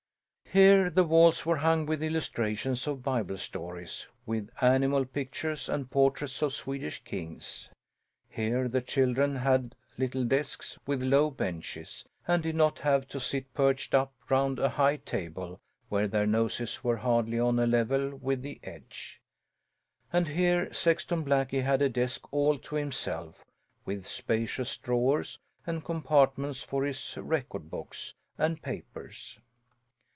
Here the walls were hung with illustrations of Bible stories, with animal pictures and portraits of Swedish kings. Here the children had little desks with low benches, and did not have to sit perched up round a high table, where their noses were hardly on a level with the edge. And here Sexton Blackie had a desk all to himself, with spacious drawers and compartments for his record books and papers.